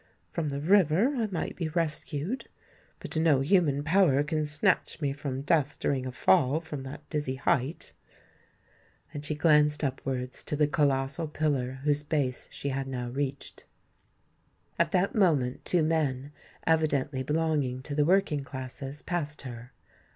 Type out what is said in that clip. From the river I might be rescued; but no human power can snatch me from death during a fall from that dizzy height." And she glanced upwards to the colossal pillar whose base she had now reached. At that moment two men, evidently belonging to the working classes, passed her.